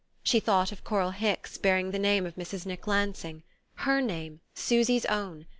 She thought of Coral Hicks bearing the name of Mrs. Nick Lansing her name, Susy's own!